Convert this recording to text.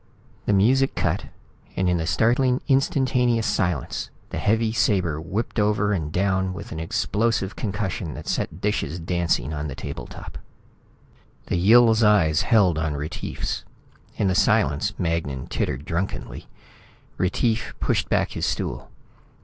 The music cut, and in the startling instantaneous silence, the heavy sabre whipped over and down with an explosive concussion that set dishes dancing on the table top. The Yill's eyes held on Retief's. In the silence, Magnan tittered drunkenly. Retief pushed back his stool.